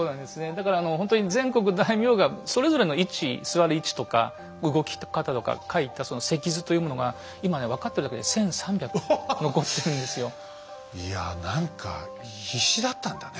だからほんとに全国大名がそれぞれの位置座る位置とか動き方とかかいたその席図というものが今ね分かってるだけでいや何か必死だったんだね。